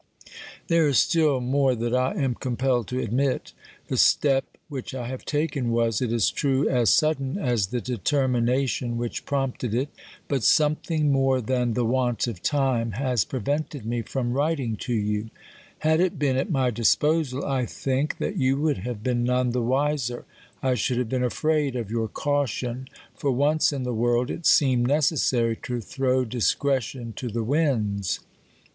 There is still more that I am compelled to admit. The step which I have taken was, it is true, as sudden as the determination which prompted it, but something more than the want of time has prevented me from writing to you. A 2 OBERMANN Had it been at my disposal, I think that you would have been none the wiser. I should have been afraid of your caution : for once in the world, it seemed necessary to throw discretion to the winds.